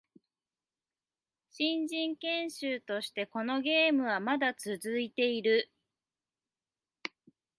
新人研修としてこのゲームはまだ続いている